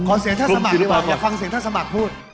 เสียงท่านสมัครดีกว่าขอฟังเสียงท่านสมัครพูด